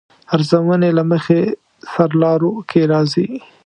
ارزونې له مخې سرلارو کې راځي.